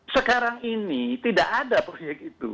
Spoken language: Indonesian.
sekarang ini tidak ada proyek itu